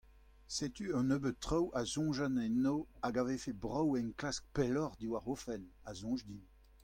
Setu un nebeud traoù a soñjan enno hag a vefe brav enklask pelloc'h diwar o fenn, a soñj din.